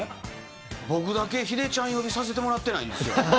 僕だけヒデちゃん呼びさせてもらってないんですよ。